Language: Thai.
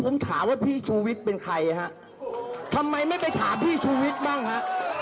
ผมถามว่าพี่ชูวิทย์เป็นใครฮะทำไมไม่ไปถามพี่ชูวิทย์บ้างฮะ